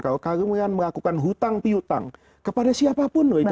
kalau kalian melakukan hutang pihutang kepada siapapun loh itu